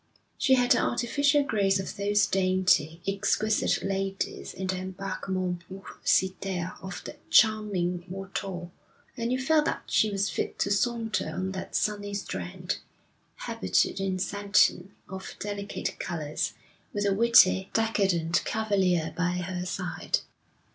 She had the artificial grace of those dainty, exquisite ladies in the Embarquement pour Cithère of the charming Watteau; and you felt that she was fit to saunter on that sunny strand, habited in satin of delicate colours, with a witty, decadent cavalier by her side.